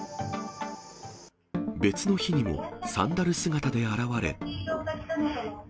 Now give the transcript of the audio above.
別の日にもサンダル姿で現れ。